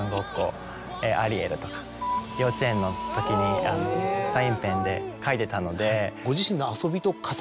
幼稚園の時にサインペンで描いてたので。